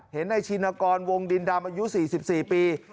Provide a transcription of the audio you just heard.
เห็นนายชินกรวงดินดำอายุ๔๔ปี